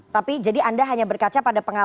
tapi jadi anda hanya berkaca pada pengalaman